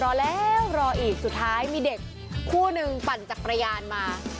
รอแล้วรออีกสุดท้ายมีเด็กคู่นึงปั่นจักรยานมา